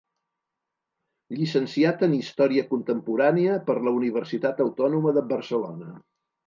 Llicenciat en història contemporània per la Universitat Autònoma de Barcelona.